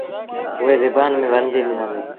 اُئي زبآن ميݩ ورنديٚ ڏنآندي۔